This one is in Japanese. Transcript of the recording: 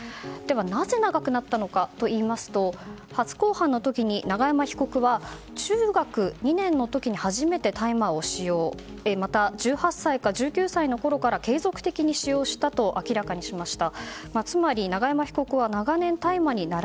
なぜ長くなったのかといいますと初公判の時に永山被告は中学２年の時に初めて大麻を使用また、１８歳か１９歳の時から継続的に使用したと明らかにしました。